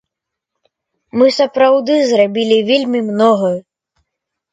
Мы сапраўды зрабілі вельмі многае.